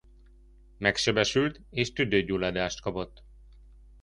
Megsebesült és tüdőgyulladást kapott.